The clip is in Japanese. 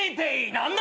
何だ！？